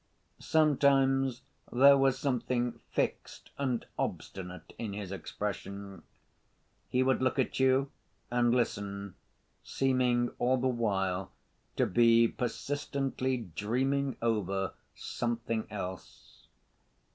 Sometimes there was something fixed and obstinate in his expression. He would look at you and listen, seeming all the while to be persistently dreaming over something else.